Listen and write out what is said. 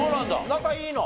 仲いいの？